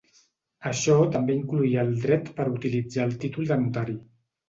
Això també incloïa el dret per utilitzar el títol de notari.